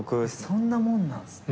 そんなもんなんすね。